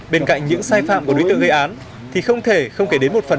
bên cạnh những sai phạm của đối tượng gây án thì không thể không kể đến một phần